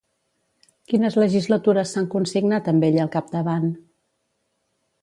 Quines legislatures s'han consignat amb ella al capdavant?